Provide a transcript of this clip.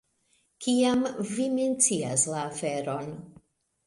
Kiam vi mencias la aferon.